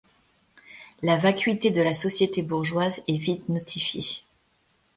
La vacuité de la société bourgeoise est vite notifiée.